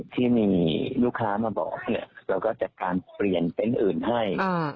ที่มีลูกค้ามาบอกเราก็จัดการเปลี่ยนเต็นต์อื่นให้